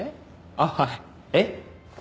あっはいえっ？